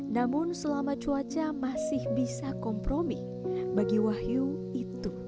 namun selama cuaca masih bisa kompromi bagi wahyu itu